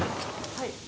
はい。